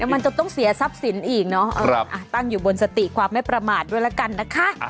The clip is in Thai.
มันจะต้องเสียทรัพย์สินอีกเนอะตั้งอยู่บนสติความไม่ประมาทด้วยละกันนะคะ